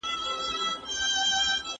د روغتیا شکر ادا کړئ.